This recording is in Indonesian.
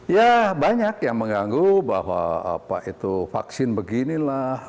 ya banyak yang mengganggu bahwa vaksin beginilah